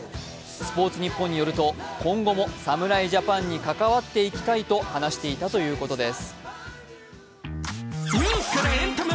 「スポーツニッポン」によると今後も侍ジャパンに関わっていきたいと話していたということです